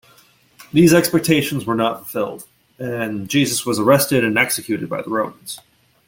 These expectations were not fulfilled and Jesus was arrested and executed by the Romans.